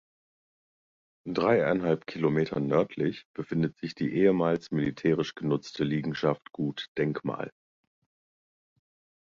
Dreieinhalb Kilometer nördlich befindet sich die ehemals militärisch genutzte Liegenschaft „Gut Denkmal“.